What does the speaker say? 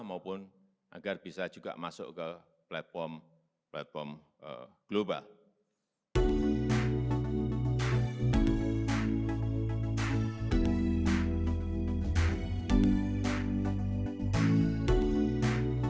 maupun agar bisa juga masuk ke platform global